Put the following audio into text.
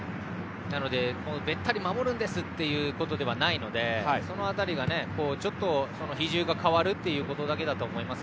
べったり守るんですということではないのでその辺り、ちょっと比重が変わるということだと思います。